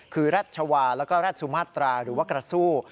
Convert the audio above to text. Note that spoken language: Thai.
คือรัชวาแล้วก็แร็ดสุมาตราหรือว่ากระสู้